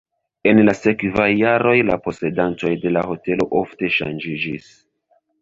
En la sekvaj jaroj la posedantoj de la hotelo ofte ŝanĝiĝis.